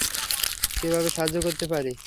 কীভাবে সাহায্য করতে পারি?